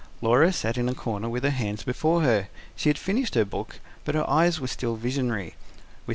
Laura sat in a corner with her hands before her: she had finished her book, but her eyes were still visionary.